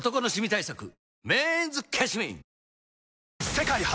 世界初！